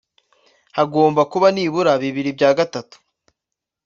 hagomba kuba hari nibura bibiri bya gatatu .